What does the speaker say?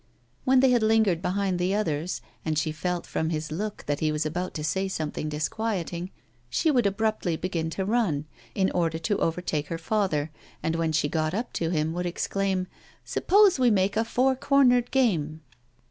When they had lingered behind the others, and she felt from his look that he was about to say something disquieting, she would abruptly begin to run, in order to overtake her father, and, when she got up to him, would exclaim: "Suppose we make a four cornered game."